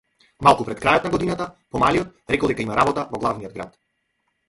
Малку пред крајот на годината помалиот рекол дека има работа во главниот град.